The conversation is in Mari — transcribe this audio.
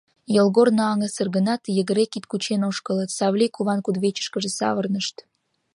Йолгорно аҥысыр гынат, йыгыре, кид кучен ошкылыт, Савлий куван кудывечышкыже савырнышт.